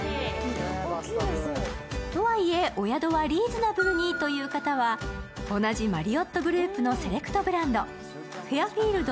とはいえ、お宿はリーズナブルにという方は同じマリオットグループのセレクトブランド、フェアフィールド